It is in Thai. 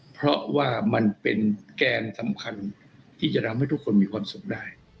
เพราะว่ามันเป็นแกนสำคัญที่จะทำให้ทุกคนมีความสุขได้